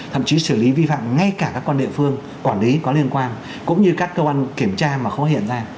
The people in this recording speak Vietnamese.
thậm chí xử lý vi phạm ngay cả các con địa phương quản lý có liên quan cũng như các cơ quan kiểm tra mà phát hiện ra